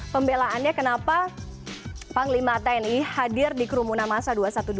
pembelaannya kenapa panglima tni hadir di kerumunan masa dua ratus dua belas